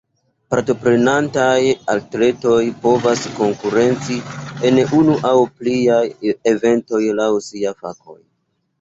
Partoprenantaj atletoj povas konkurenci en unu aŭ pliaj eventoj, laŭ siaj fakoj.